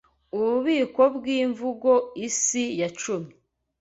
Ububiko bw'Imivugo Isi ya cumi